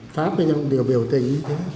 pháp hay không đều biểu tình